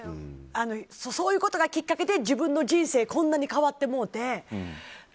そういうことがきっかけで自分の人生こんなに変わってもうて。